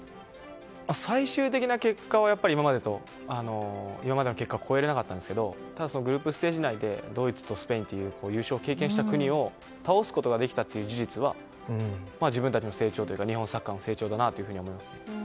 最終的な結果は今までの結果を超えられなかったんですがグループステージ内でドイツとスペインという優勝経験した国を倒すことができたという事実は自分たちの成長、日本サッカーの成長だなと思います。